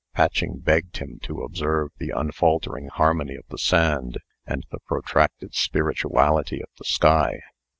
Patching begged him to observe the unfaltering harmony of the sand, and the protracted spirituality of the sky.